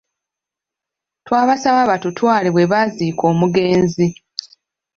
Twabasaba batutwale we baaziika omugenzi.